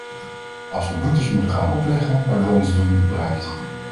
Als we boetes moeten gaan opleggen, hebben we ons doel niet bereikt.